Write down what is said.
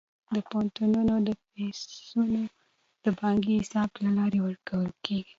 د پوهنتون فیسونه د بانکي حساب له لارې ورکول کیږي.